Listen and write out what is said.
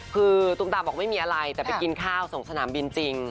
คือตุ้มตาบอกไม่มีอะไรแต่ไปกินข้าวส่งสนามบินจริง